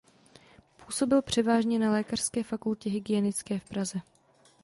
Působil převážně na Lékařské fakultě hygienické v Praze.